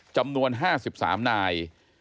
จำนวน๕๓นาย